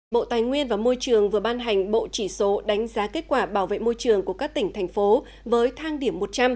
bộ tài nguyên và môi trường vừa ban hành bộ chỉ số đánh giá kết quả bảo vệ môi trường của các tỉnh thành phố với thang điểm một trăm linh